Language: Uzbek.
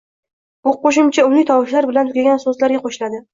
Bu qoʻshimcha unli tovushlar bilan tugagan soʻzlarga qoʻshiladi